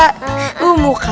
kok beda daripada biasanya